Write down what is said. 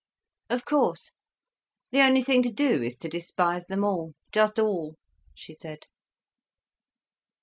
"Of course, the only thing to do is to despise them all—just all," she said.